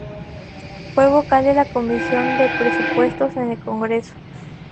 Fue vocal de la Comisión de Presupuestos en el Congreso.